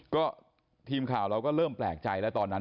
ก็ทีมข่าวเราก็เริ่มแปลกใจแล้วตอนนั้น